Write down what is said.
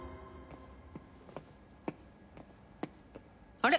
あれ？